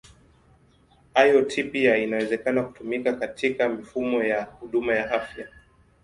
IoT pia inaweza kutumika katika mifumo ya huduma ya afya.